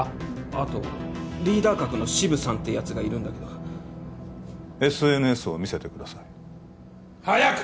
あとリーダー格のシブさんってやつがいるんだけどＳＮＳを見せてください早く！